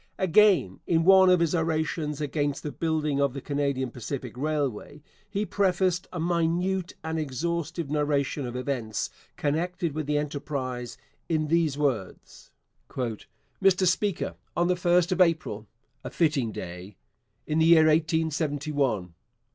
Again, in one of his orations against the building of the Canadian Pacific Railway, he prefaced a minute and exhaustive narration of events connected with the enterprise in these words: 'Mr Speaker, on the first of April a fitting day in the year 1871, ...'